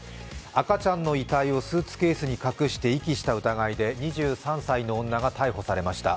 赤ちゃんの遺体をスーツケースに隠して遺棄した疑いで２３歳の女が逮捕されました。